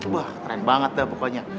wah keren banget dah pokoknya